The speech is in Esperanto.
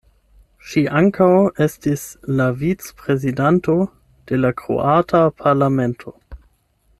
Ŝi ankaŭ estis la vicprezidanto de la Kroata Parlamento.